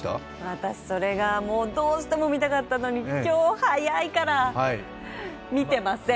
私、それがどうしても見たかったのに今日早いから、見てません！